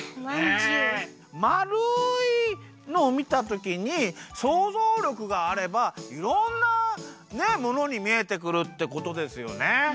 まるいのをみたときにそうぞうりょくがあればいろんなものにみえてくるってことですよね。